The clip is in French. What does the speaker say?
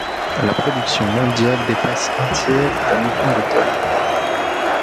La production mondiale dépasse un tiers d'un million de tonnes.